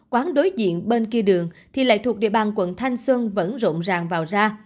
quán đối diện bên kia đường thì lại thuộc địa bàn quận thanh xuân vẫn rộn ràng vào ra